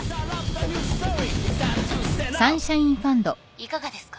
いかがですか？